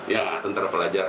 ya tentara pelajar